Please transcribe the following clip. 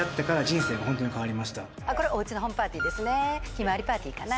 ひまわりパーティーかな？